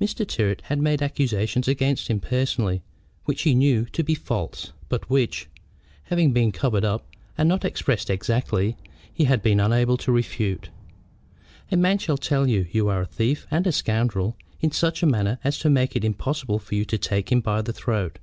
Mr. Tyrrwhit had made accusations against himself personally which he knew to be false, but which, having been covered up, and not expressed exactly, he had been unable to refute. A man shall tell you you are a thief and a scoundrel in such a manner as to make it impossible for you to take him by the throat.